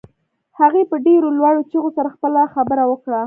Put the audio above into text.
هغې په ډېرو لوړو چيغو سره خپله خبره وکړه.